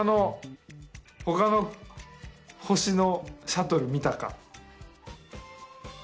ほかの星のシャトル見たか。